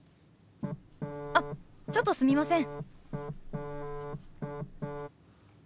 あっちょっとすみません。